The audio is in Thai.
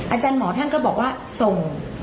อาจารย์หมอท่านก็บอกว่าส่ง